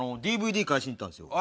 ＤＶＤ返しに行ったんですよ。